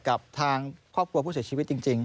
กับทางครอบครัวผู้เสียชีวิตจริง